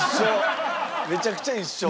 めちゃくちゃ一緒。